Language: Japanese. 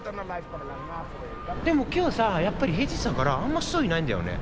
でも今日さやっぱり平日だからあんま人いないんだよね。